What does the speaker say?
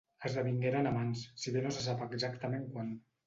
Esdevingueren amants, si bé no se sap exactament quan.